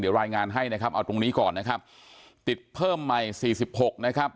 เดี๋ยวรายงานให้นะครับเอาตรงนี้ก่อนนะครับติดเพิ่มใหม่สี่สิบหกนะครับ